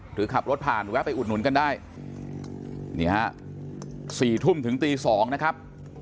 หรือขับรถผ่านแวะไปอุดหนุนกันได้นี่ฮะสี่ทุ่มถึงตี๒นะครับ